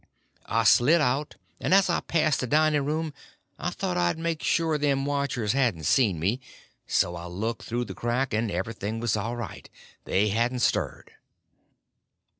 I slid out, and as I passed the dining room I thought I'd make sure them watchers hadn't seen me; so I looked through the crack, and everything was all right. They hadn't stirred.